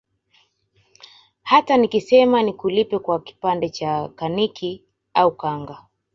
Hata nikisema nikulipe kwa kipande cha kaniki au kanga